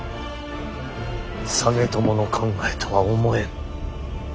実朝の考えとは思えん。